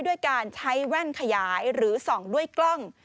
ด้วยการใช้แว่นขยายหรือส่องด้วยกล้อง